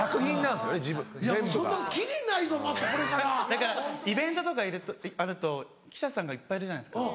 だからイベントとかあると記者さんがいっぱいいるじゃないですか。